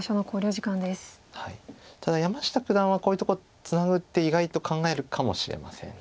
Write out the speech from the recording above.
ただ山下九段はこういうとこツナぐって意外と考えるかもしれません。